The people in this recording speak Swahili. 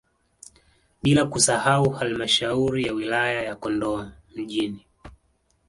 Bila kusahau halmashauri ya wilaya ya Kondoa mjini